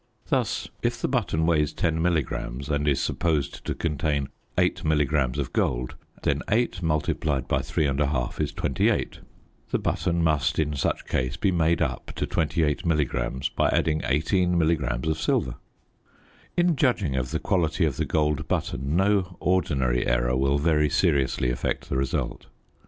Thus, if the button weighs 10 milligrams and is supposed to contain 8 milligrams of gold, then 8 multiplied by 3 1/2 is 28; the button must, in such case, be made up to 28 milligrams by adding 18 milligrams of silver. In judging of the quality of the gold button, no ordinary error will very seriously affect the result.